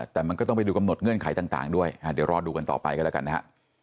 แต่มันก็ต้องไปดูกำหนดเงื่อนไขต่างด้วยเดี๋ยวรอดูกันต่อไปกันแล้วกันนะฮะ